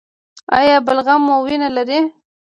ایا بلغم مو وینه لري؟